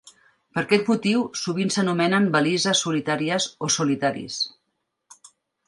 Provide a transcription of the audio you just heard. Per aquest motiu, sovint s'anomenen "balises solitàries" o "solitaris".